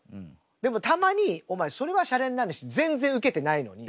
でもたまにお前それはシャレになんないし全然ウケてないのに。